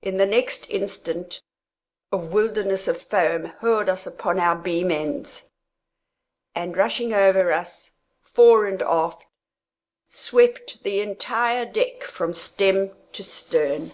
In the next instant, a wilderness of foam hurled us upon our beam ends, and, rushing over us fore and aft, swept the entire decks from stem to stern.